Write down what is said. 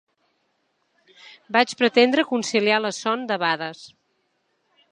Vaig pretendre conciliar la son, debades.